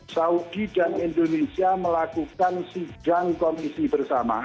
saudi dan indonesia melakukan sidang komisi bersama